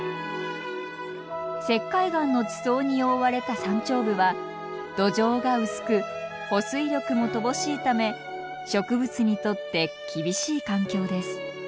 石灰岩の地層に覆われた山頂部は土壌が薄く保水力も乏しいため植物にとって厳しい環境です。